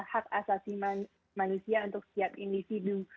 haksa kesehatan adalah hak asasi manusia untuk setiap individu